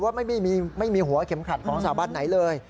ว่าไม่มีหัวเข็มขัดของสถาบันไหนเลย